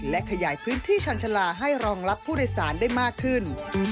และขยายพื้นที่ชันชาลาให้รองรับผู้โดยสารได้มากขึ้น